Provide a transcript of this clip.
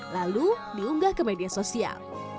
lalu diunggah ke media sosial